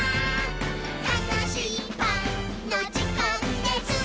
「たのしいパンのじかんです！」